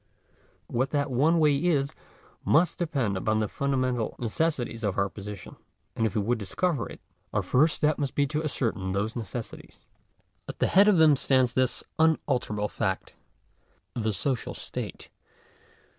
What that one way is must depend upon the fundamental necessities of our position. And if we would discover it, our first step must be to ascertain those necessities. At the head of them stands this unalterable fact — the social I state.